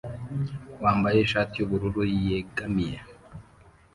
wambaye ishati yubururu yegamiye